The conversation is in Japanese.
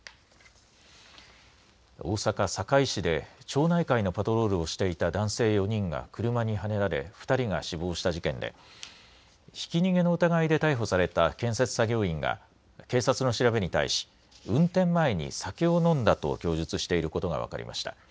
大阪・堺市で町内会のパトロールをしていた男性４人が車にはねられ２人が死亡した事件で、ひき逃げの疑いで逮捕された建設作業員が警察の調べに対し、運転前に酒を飲んだと供述していることが分かりました。